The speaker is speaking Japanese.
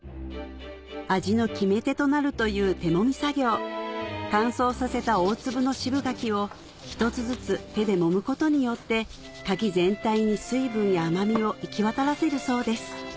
味の決め手となるという手もみ作業乾燥させた大粒の渋柿を一つずつ手でもむことによって柿全体に水分や甘みを行き渡らせるそうです